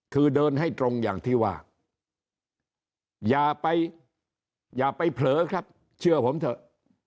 คือเดินให้ตรงอย่างที่ว่าอย่าไปอย่าไปเผลอครับเชื่อผมเถอะ